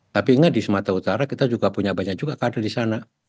tapi ingat di sumatera utara kita juga punya banyak juga kader di sana